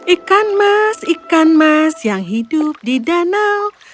ikan mas ikan mas yang hidup di danau